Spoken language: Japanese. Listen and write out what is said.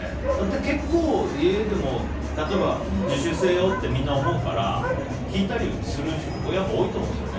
結構、家でも自主性をってみんな思うから聞いたりする親も多いと思うんですね。